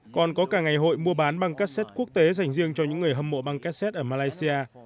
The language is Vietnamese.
còn có cả ngày hội mua bán băng cassette quốc tế dành riêng cho những người hâm mộ băng cassette ở malaysia